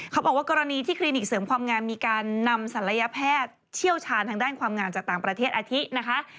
เขาบอกว่ากรณีที่คลินิกเสริมความงามมีการนำศัลยแพทย์เชี่ยวชาญทางด้านความงามจากต่างประเทศอาทิตนะคะ